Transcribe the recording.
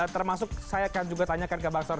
termasuk saya akan juga tanyakan ke bang saur